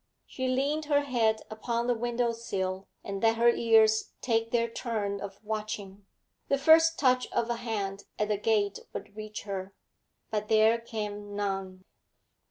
She leaned her head upon the window sill, and let her ears take their turn of watching; the first touch of a hand at the gate would reach her. But there came none.